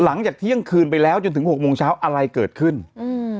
หลังจากเที่ยงคืนไปแล้วจนถึงหกโมงเช้าอะไรเกิดขึ้นอืม